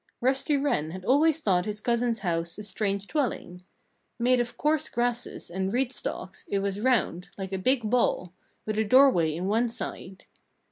Rusty Wren had always thought his cousin's house a strange dwelling. Made of coarse grasses and reed stalks, it was round, like a big ball, with a doorway in one side.